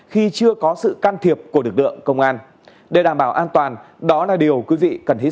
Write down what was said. khi chưa có sự can thiệp của lực lượng công an để đảm bảo an toàn đó là điều quý vị cần hết sức